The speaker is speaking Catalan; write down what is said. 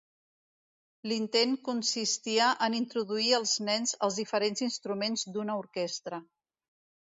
L'intent consistia en introduir els nens als diferents instruments d'una orquestra.